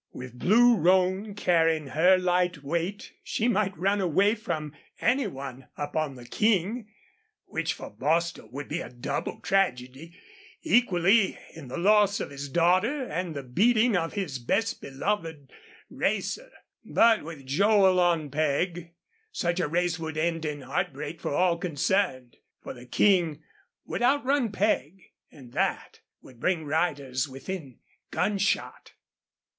With Blue Roan carrying her light weight she might run away from any one up on the King which for Bostil would be a double tragedy, equally in the loss of his daughter and the beating of his best beloved racer. But with Joel on Peg, such a race would end in heartbreak for all concerned, for the King would outrun Peg, and that would bring riders within gunshot.